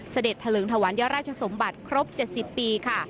เสด็จทะลึงทะวันเยอะราชสมบัติครบ๗๐ปีค่ะ